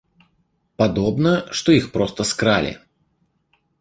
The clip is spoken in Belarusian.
Падобна, што іх проста скралі!